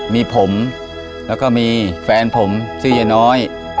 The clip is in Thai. มีผมแล้วก็มีแฟนผมชื่อยายน้อย